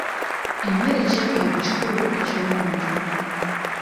Emmere kyetaago kikulu eky'omuntu.